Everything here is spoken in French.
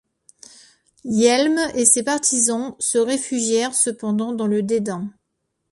Yelm et ses partisans se réfugièrent cependant dans le dédain.